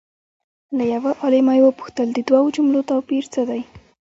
له یو عالمه یې وپوښتل د دوو جملو توپیر څه دی؟